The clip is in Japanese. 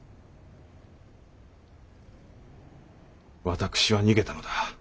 私は逃げたのだ。